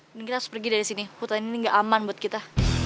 mungkin kita harus pergi dari sini hutan ini nggak aman buat kita